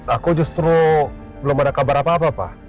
aku justru belum ada kabar apa apa pak